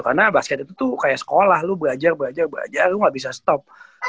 karena basket itu tuh kayak sekolah lo belajar belajar lo gak bisa stop